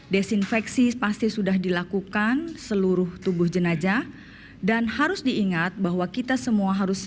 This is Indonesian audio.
desinfeksi pasti sudah dilakukan seluruh tubuh jenajah dan harus diingat bahwa kita semua harus